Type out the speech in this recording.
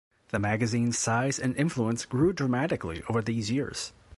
The magazine's size and influence grew dramatically over these years.